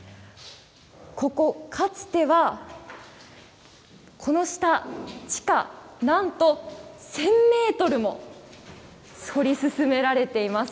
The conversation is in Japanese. ここはかつてはこの下、地下なんと１０００ｍも掘り進められています。